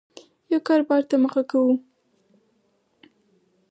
یو کاربار ته مخه کوو